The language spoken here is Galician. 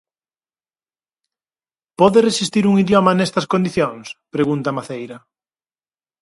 Pode resistir un idioma nestas condicións?, pregunta Maceira.